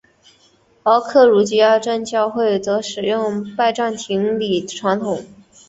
而格鲁吉亚正教会则使用拜占庭礼传统。